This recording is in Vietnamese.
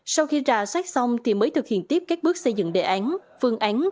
sau khi ra soát xong thì mới thực hiện tiếp các bước xây dựng đề án phương án